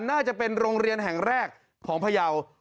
น่าจะเป็นโรงเรียนแห่งแรกของพยาวินาศาสตร์